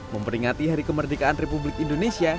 memperingati hari kemerdekaan republik indonesia